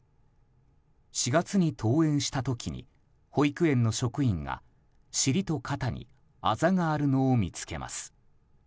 ４月に登園した時に保育園の職員が尻と肩にあざがあるのを見つけます。